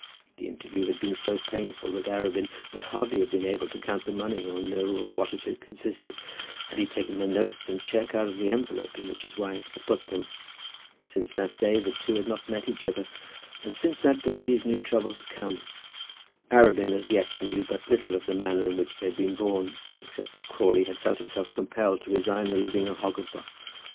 The interview had been so painful that Arabin would hardly have been able to count the money or to know of what it had consisted, had he taken the notes and cheque out of the envelope in which his wife had put them. Since that day the two had not met each other, and since that day these new troubles had come. Arabin as yet knew but little of the manner in which they had been borne, except that Crawley had felt himself compelled to resign the living of Hogglestock.